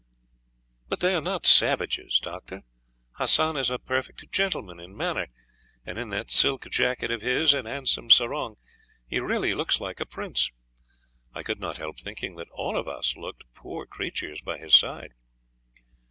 "But they are not savages, Doctor. Hassan is a perfect gentleman in manner, and in that silk jacket of his and handsome sarong he really looks like a prince. I could not help thinking that all of us looked poor creatures by his side."